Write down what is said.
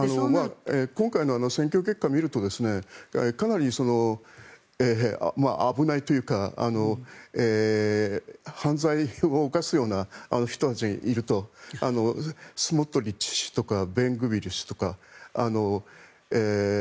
今回の選挙結果を見るとかなり危ないというか犯罪を犯すような人たちがいるとスモトリッチ氏とかベングビール氏とか。